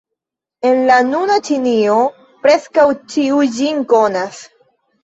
En la nuna Ĉinio, preskaŭ ĉiu ĝin konas.